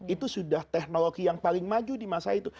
itu sudah teknologi yang paling maju di masa itu